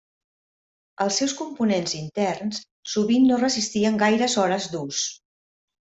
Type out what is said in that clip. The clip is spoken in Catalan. Els seus components interns sovint no resistien gaires hores d'ús.